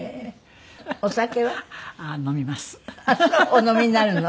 お飲みになるの？